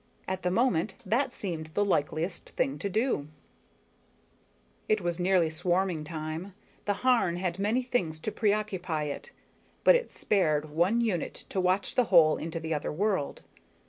At the moment, that seemed the likeliest thing to do. _It was nearly swarming time, the Harn had many things to preoccupy it, but it spared one unit to watch the hole into the other world.